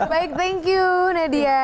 baik thank you nadia